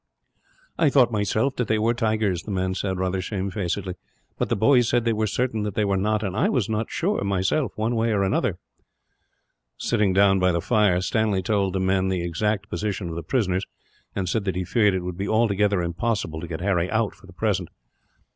"I thought myself that they were tigers," the man said, rather shamefacedly, "but the boys said they were certain that they were not; and I was not sure, myself, one way or the other." Sitting down by the fire, Stanley told the men the exact position of the prisoners; and said that he feared it would be altogether impossible to get Harry out, for the present.